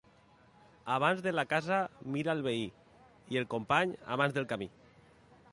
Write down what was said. Abans de la casa mira el veí, i el company, abans del camí.